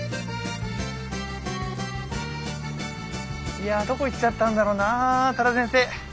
いやどこ行っちゃったんだろうな多田先生。